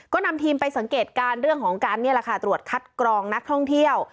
ก็นำทีมไปสังเกตการณ์เรื่องของการนี่แหละค่ะตรวจคัดกรองนักท่องเที่ยว